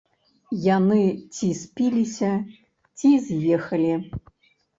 Яны ці спіліся, ці з'ехалі.